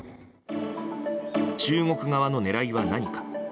中国側の狙いは何か。